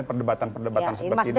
perdebatan perdebatan seperti ini